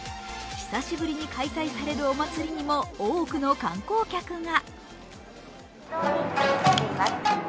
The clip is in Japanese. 久しぶりに開催されるお祭りにも多くの観光客が。